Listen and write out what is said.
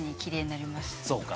そうか。